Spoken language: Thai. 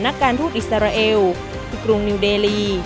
นักการทูตอิสราเอลคือกรุงนิวเดลี